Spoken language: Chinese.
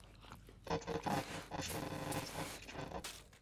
他驻扎地方约是社寮岛城。